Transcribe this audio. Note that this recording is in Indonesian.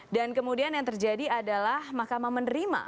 dan kemudian yang terjadi adalah mahkamah menerima